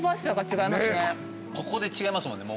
ここで違いますもんね。